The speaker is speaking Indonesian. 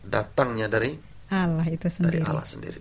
datangnya dari allah sendiri